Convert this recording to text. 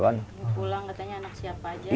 pulang katanya anak siapa aja